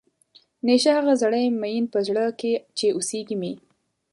نيشته هغه زړۀ ميئن پۀ زړۀ کښې چې اوسېږي مې